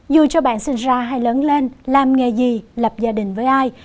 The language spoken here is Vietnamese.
dù cho bạn sinh ra hay lớn lên làm nghề gì lập gia đình với ai